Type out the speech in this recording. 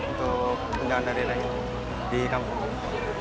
untuk penjagaan daya lain di kampung